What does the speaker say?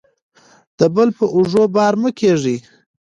د بل په اوږو بار مه کیږئ.